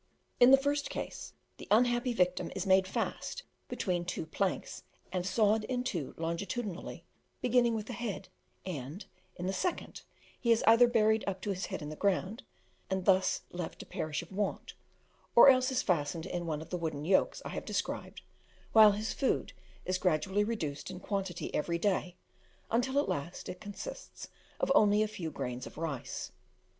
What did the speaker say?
In the first case, the unhappy victim is made fast between two planks, and sawed in two longitudinally, beginning with the head; and, in the second, he is either buried up to his head in the ground, and thus left to perish of want, or else is fastened in one of the wooden yokes I have described, while his food is gradually reduced in quantity every day, until at last it consists of only a few grains of rice.